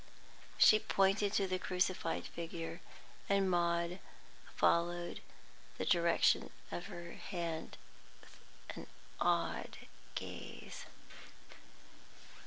She pointed to the crucified figure, and Maud followed the direction of her hand with awed gaze.